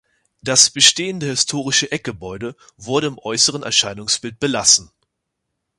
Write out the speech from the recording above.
Das bestehende historische Eckgebäude wurde im äußeren Erscheinungsbild belassen.